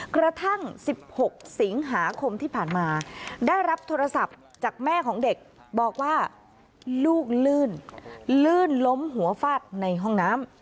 กระทั่ง๑๖สิงหาคมที่ผ่านมาได้รับโทรศัพท์จากแม่ของเด็กบอกว่าลูกลื่นลื่นล้มหัวฟาดในห้องน้ำ